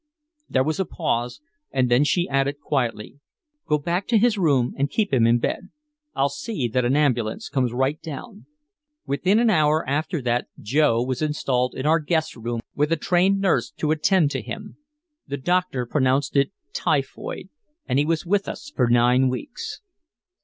There was a pause, and then she added quietly, "Go back to his room and keep him in bed. I'll see that an ambulance comes right down." Within an hour after that Joe was installed in our guest room with a trained nurse to attend to him. The doctor pronounced it typhoid and he was with us for nine weeks.